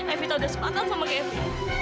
evita udah sepakat sama kevin